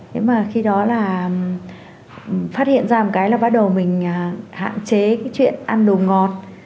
thế mà khi đó là phát hiện ra một cái là bắt đầu mình hạn chế cái chuyện ăn đồ ngọt